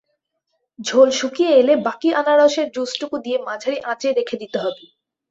ঝোল শুকিয়ে এলে বাকি আনারসের জুসটুকু দিয়ে মাঝারি আঁচে রেখে দিতে হবে।